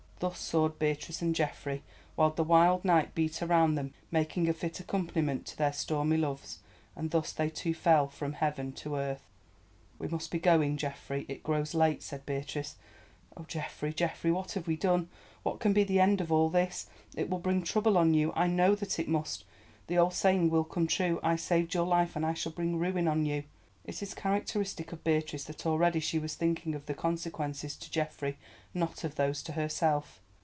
Thus soared Beatrice and Geoffrey while the wild night beat around them, making a fit accompaniment to their stormy loves. And thus they too fell from heaven to earth. "We must be going, Geoffrey; it grows late," said Beatrice. "Oh, Geoffrey, Geoffrey, what have we done? What can be the end of all this? It will bring trouble on you, I know that it must. The old saying will come true. I saved your life, and I shall bring ruin on you!" It is characteristic of Beatrice that already she was thinking of the consequences to Geoffrey, not of those to herself.